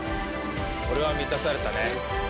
これは満たされたね